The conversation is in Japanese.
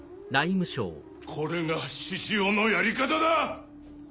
これが志々雄のやり方だ！